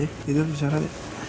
ya tidur bisa ren